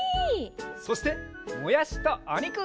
そしてもやしとおにく！